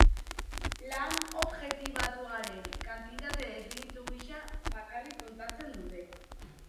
Lan objektibatuaren kantitate definitu gisa bakarrik kontatzen dute.